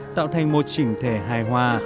tạo thành một trình thể hài hòa